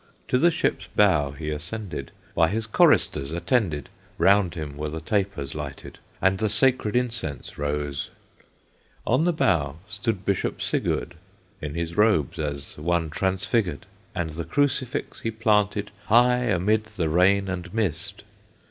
To the ship's bow he ascended, By his choristers attended, Round him were the tapers lighted, And the sacred incense rose. On the bow stood Bishop Sigurd, In his robes, as one transfigured, And the Crucifix he planted High amid the rain and mist.